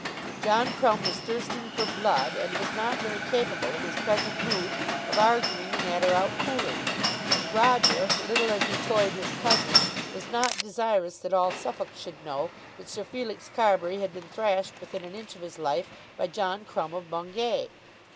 John Crumb was thirsting for blood and was not very capable in his present mood of arguing the matter out coolly, and Roger, little as he loved his cousin, was not desirous that all Suffolk should know that Sir Felix Carbury had been thrashed within an inch of his life by John Crumb of Bungay.